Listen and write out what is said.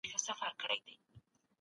هګۍ د زړه د ناروغیو خطر کموي.